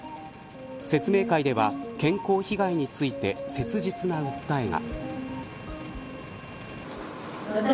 説明会では健康被害について切実な訴えが。